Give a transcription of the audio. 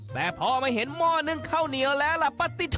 แต่พอมาเห็นหม้อนึ่งข้าวเหนียวแล้วล่ะป้าติ๊ด